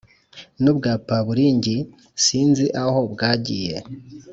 N'ubwapaburingi sinzi aho bwa giye